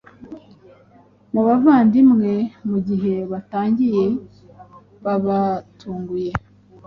Mu bavandimwe mugihe batangiye babatunguye